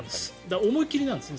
思い切りなんですね